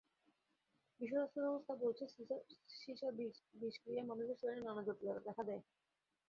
বিশ্ব স্বাস্থ্য সংস্থা বলছে, সিসার বিষক্রিয়ায় মানুষের শরীরে নানা জটিলতা দেখা দেয়।